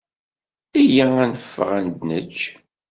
Iyya ad neffeɣ ad d-nečč.